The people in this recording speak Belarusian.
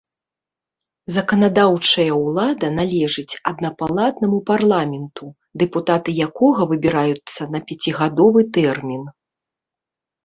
Заканадаўчая ўлада належыць аднапалатнаму парламенту, дэпутаты якога выбіраюцца на пяцігадовы тэрмін.